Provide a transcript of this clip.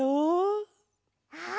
ああ！